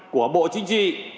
của bộ chính trị